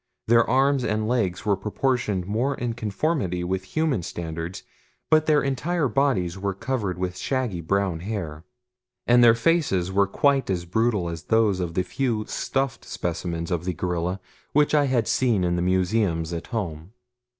Their arms and legs were proportioned more in conformity with human standards, but their entire bodies were covered with shaggy, brown hair, and their faces were quite as brutal as those of the few stuffed specimens of the gorilla which I had seen in the museums at home.